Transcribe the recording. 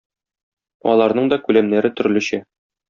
Аларның да күләмнәре төрлечә.